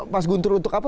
mas guntur untuk apa